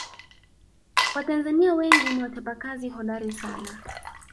watanzania wengi ni wachapakazi hodari sana